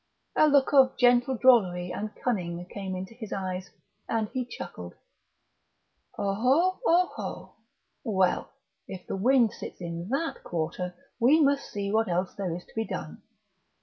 A look of gentle drollery and cunning came into his eyes, and he chuckled. "Oho, oho!... Well, if the wind sits in that quarter we must see what else there is to be done.